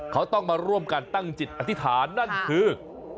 เขาต้องมาร่วมกันตั้งจิตอธิษฐานนั่นคือ